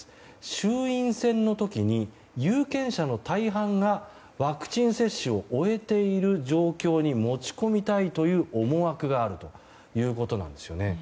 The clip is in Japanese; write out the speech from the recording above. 衆院選の時に有権者の大半がワクチン接種を終えている状況に持ち込みたいという思惑があるということなんですね。